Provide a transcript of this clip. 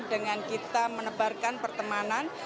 dengan kita menebarkan pertemanan